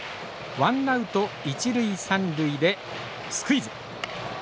ワンアウト、一塁三塁でスクイズ。